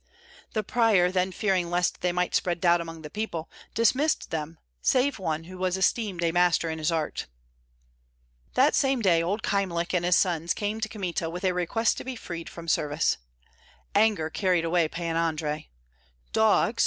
The prior then fearing lest they might spread doubt among the people, dismissed them, save one who was esteemed a master in his art. That same day old Kyemlich and his sons came to Kmita with a request to be freed from service. Anger carried away Pan Andrei. "Dogs!"